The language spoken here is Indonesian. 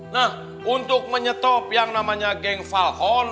nah untuk menyetop yang namanya geng falhon